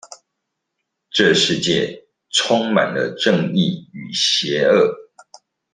這世界充滿了正義與邪惡